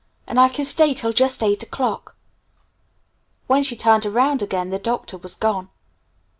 And I can stay till just eight o'clock!" When she turned around again the Doctor was gone.